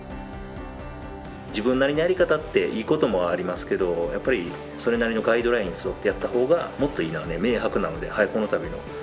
自分なりのやり方っていいこともありますけどやっぱりそれなりのガイドラインに沿ってやった方がもっといいのは明白なのでこの度のこのリニューアル